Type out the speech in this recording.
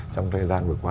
trong thời gian vừa qua